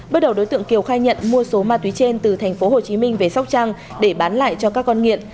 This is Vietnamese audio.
bước đầu đối tượng kiều khai nhận mua số ma túy trên từ tp hcm về sóc trăng để bán lại cho các con nghiện